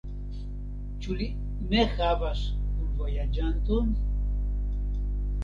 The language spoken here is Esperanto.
Ĉu li ne havas kunvojaĝanton?